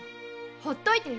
放っといてよ！